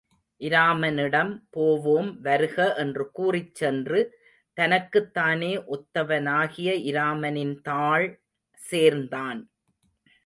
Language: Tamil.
இராமனிடம் போவோம் வருக என்று கூறிச் சென்று தனக்குத் தானே ஒத்தவனாகிய இராமனின் தாள் சேர்ந்தான்.